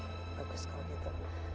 bagus kalau gitu